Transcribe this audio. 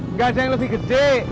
nggak ada yang lebih gede